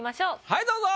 はいどうぞ。